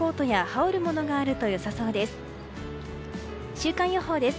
週間予報です。